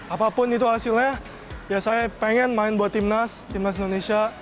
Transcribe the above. apapun itu hasilnya ya saya pengen main buat timnas timnas indonesia